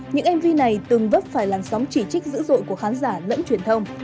những mv này từng vấp phải làn sóng chỉ trích dữ dội của khán giả lẫn truyền thông